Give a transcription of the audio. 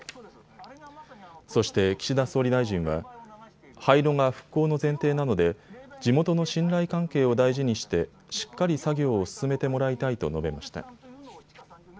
そして岸田総理大臣は廃炉が復興の前提なので地元の信頼関係を大事にしてしっかり作業を進めてもらいたいと述べました。